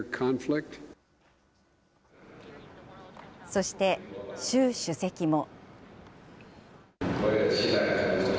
そして、習主席も。